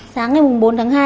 sáng ngày bốn tháng hai